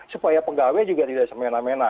supaya pegawai juga tidak semena mena